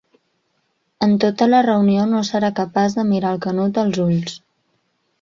En tota la reunió no serà capaç de mirar el Canut als ulls.